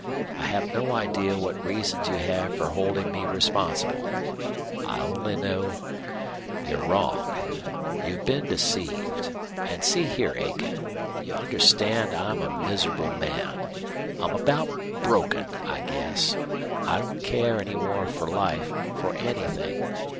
I have no idea what reasons you have for holding me responsible. I only know you're wrong. You've been deceived. And see here, Aiken. You understand I'm a miserable man. I'm about broken, I guess. I don't care any more for life, for anything.